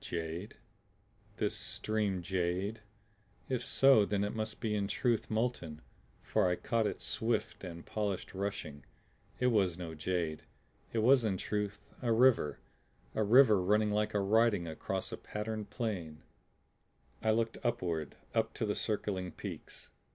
Jade? This stream jade? If so then it must be in truth molten, for I caught its swift and polished rushing! It was no jade. It was in truth a river; a river running like a writing across a patterned plane. I looked upward up to the circling peaks.